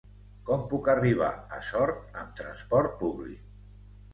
Com puc arribar a Sort amb trasport públic?